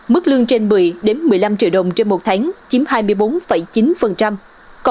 mức lương trên một mươi đến một mươi năm triệu đồng một tháng chiếm một mươi năm tổng nhu cầu nhân lực